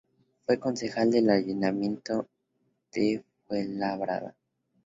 Fue concejal del Ayuntamiento de Fuenlabrada.